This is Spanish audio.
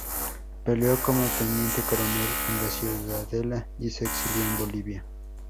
Peleó como teniente coronel en La Ciudadela y se exilió en Bolivia.